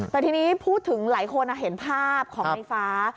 แต่ทีนี้พูดถึงหลายคนเห็นภาพของในฟ้า